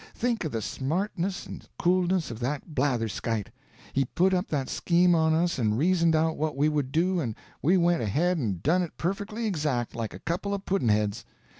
"Think of the smartness and coolness of that blatherskite! He put up that scheme on us and reasoned out what we would do, and we went ahead and done it perfectly exact, like a couple of pudd'nheads.